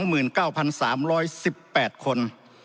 ท่านประธานการณ์